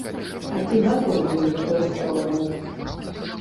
А ці гатовыя вы да рэформаў?